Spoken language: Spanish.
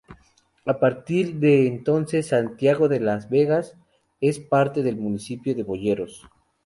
A partir de entonces Santiago de las Vegas es parte del municipio de Boyeros.